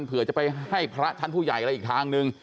เผื่อจะไปให้พระชั้นผู้ใหญ่อะไรอีกทางนึง